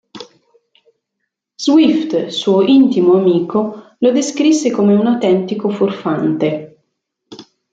Swift, suo intimo amico, lo descrisse come un autentico furfante.